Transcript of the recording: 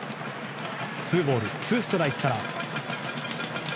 ツーボールツーストライクから。